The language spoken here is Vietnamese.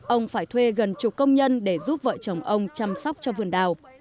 ông phải thuê gần chục công nhân để giúp vợ chồng ông chăm sóc cho vườn đào